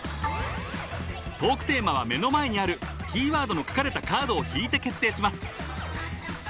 ［トークテーマは目の前にあるキーワードの書かれたカードを引いて決定します］